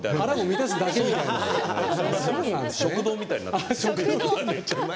食堂みたいになってる。